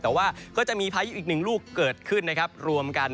แต่ว่าก็จะมีภายุอีก๑ลูกเกิดขึ้นรวมกัน